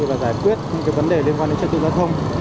và giải quyết những vấn đề liên quan đến trật tự giao thông